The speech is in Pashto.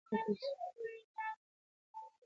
استاد د یووالي او ورورولۍ پیغام د ټولني هر فرد ته رسوي.